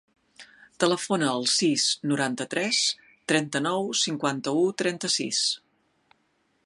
Telefona al sis, noranta-tres, trenta-nou, cinquanta-u, trenta-sis.